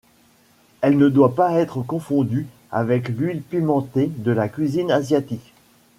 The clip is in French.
Elle ne doit pas être confondue avec l'huile pimentée de la cuisine asiatique.